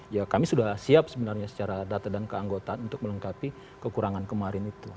ya kami sudah siap sebenarnya secara data dan keanggotaan untuk melengkapi kekurangan kemarin itu